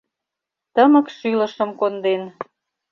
Тымык шӱлышым конден.